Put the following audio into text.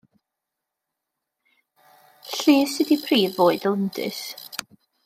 Llus ydy prif fwyd y lindys.